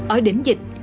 ở đỉnh dịch